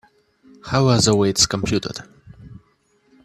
How are the weights computed?